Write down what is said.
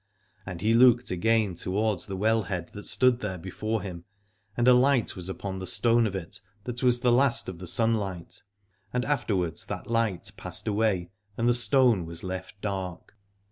And he looked again towards the well head that stood there before him, and a light was upon the stone of it that was the last of the sun light, and afterwards that light passed away and the stone was left dark.